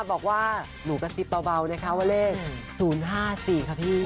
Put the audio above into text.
บอกว่าหนูกระซิบเบานะคะว่าเลข๐๕๔ค่ะพี่